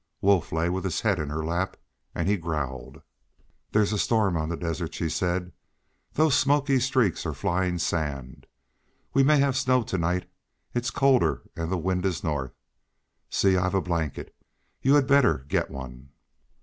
Wolf lay with his head in her lap, and he growled. "There's a storm on the desert," she said. "Those smoky streaks are flying sand. We may have snow to night. It's colder, and the wind is north. See, I've a blanket. You had better get one."